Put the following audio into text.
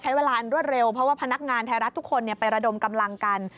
ใช้เวลารวดเร็วเพราะว่าพนักงานไทยรัฐทุกคนไประดมกำลังกัน